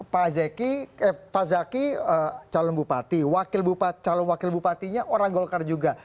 pak zaki calon bupati wakil bupati calon wakil bupatinya orang golkar juga